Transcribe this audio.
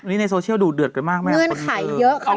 นี่ในโซเชียลดูเดือดกันมากมั้ยครับ